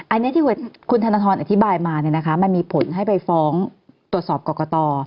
อันนี้ที่คุณธนทรอธิบายมามันมีผลให้ไปฟ้องตรวจสอบกรกต